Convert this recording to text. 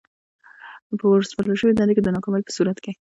په ورسپارل شوې دنده کې د ناکامۍ په صورت کې.